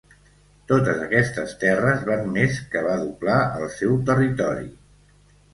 Totes aquestes terres van més que va doblar el seu territori.